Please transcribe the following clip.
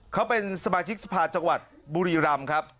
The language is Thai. เขาเป็นสมาชิกสภาจังหวัดบุรีรำครับ